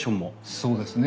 そうですね。